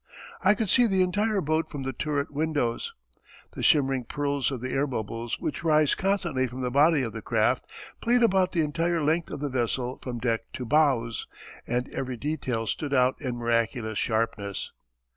I could see the entire boat from the turret windows. The shimmering pearls of the air bubbles which rise constantly from the body of the craft played about the entire length of the vessel from deck to bows, and every detail stood out in miraculous sharpness.